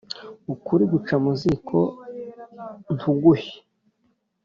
Ukuri guca mu ziko ntugushye.